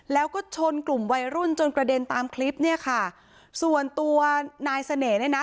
แล้วก็ชนกลุ่มวัยรุ่นจนกระเด็นตามคลิปเนี่ยค่ะส่วนตัวนายเสน่ห์เนี่ยนะ